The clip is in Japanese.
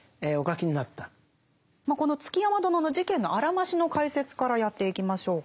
この築山殿の事件のあらましの解説からやっていきましょうか。